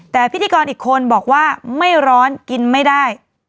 แต่พิธีกรอีกคนบอกว่าไม่ร้อนกินไม่ได้